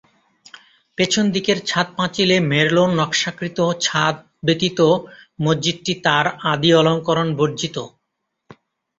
পেছন দিকের ছাদ-পাঁচিলে মেরলোন নকশাকৃত সারি ব্যতীত মসজিদটি তার আদি অলংঙ্করণ বর্জিত।